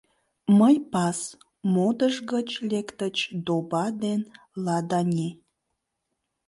— Мый — пас, — модыш гыч лектыч Доба ден Ладани.